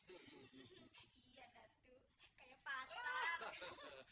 iya datu kayak patah